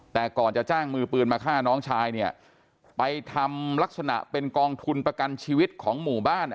แต่ก่อนจะจ้างมือปืนมาฆ่าน้องชายเนี่ยไปทำลักษณะเป็นกองทุนประกันชีวิตของหมู่บ้าน